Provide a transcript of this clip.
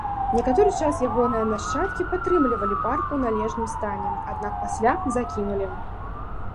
Некаторы час ягоныя нашчадкі падтрымлівалі парк у належным стане, аднак пасля закінулі.